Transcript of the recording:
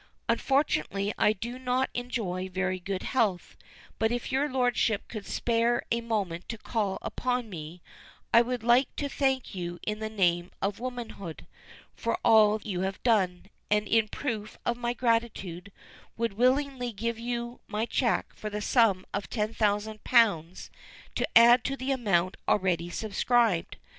"Unfortunately, I do not enjoy very good health, but if your Lordship could spare a moment to call upon me, I would like to thank you in the name of Womanhood, for all you have done, and, in proof of my gratitude, would willingly give you my cheque for the sum of ten thousand pounds to add to the amount already subscribed.